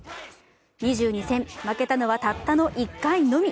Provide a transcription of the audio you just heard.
２２戦、負けたのはたったの１回のみ。